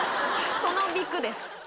そのビクっです。